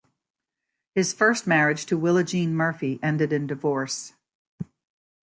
His first marriage to Willa Jean Murphy ended in divorce.